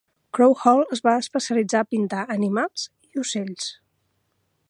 Crawhall es va especialitzar a pintar animals i ocells.